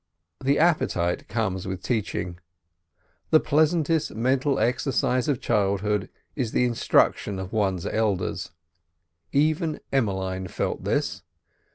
The appetite comes with teaching. The pleasantest mental exercise of childhood is the instruction of one's elders. Even Emmeline felt this.